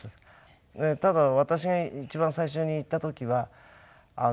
ただ私が一番最初に行った時は。